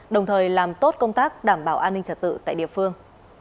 đồng thời làm tốt công tác đảm bảo an ninh trật tự tại địa phương